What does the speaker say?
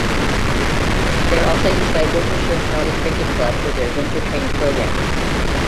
They are also used by Worcestershire County Cricket Club for their winter training programme.